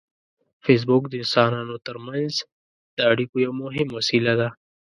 فېسبوک د انسانانو ترمنځ د اړیکو یو مهم وسیله ده